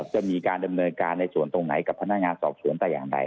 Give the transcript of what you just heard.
จะมีการดำเนินการในส่วนตรงไหนกับพนักงานสอบสวนแต่อย่างใด